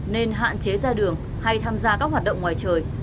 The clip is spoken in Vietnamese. nên hạn chế ra đường hay tham gia các hoạt động ngoài trời